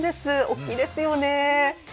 大きいですよね。